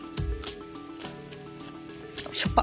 しょっぱ！